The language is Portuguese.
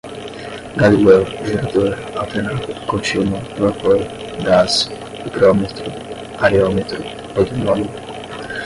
galileu, gerador, alternada, contínua, vapor, gás, higrômetro, areômetro, polinômio